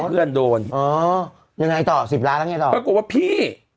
เพื่อนโดนอ๋อยังไงต่อสิบล้านแล้วฮักกูว่าพี่